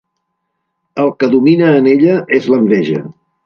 El que domina en ella és l'enveja.